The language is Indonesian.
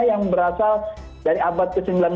yang berasal dari abad ke sembilan belas